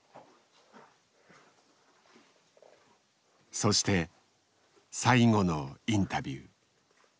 そして最後のインタビュー。